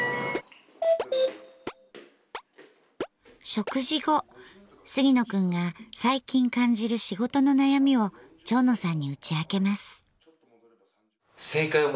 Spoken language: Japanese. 食事後杉野くんが最近感じる仕事の悩みを蝶野さんに打ち明けます。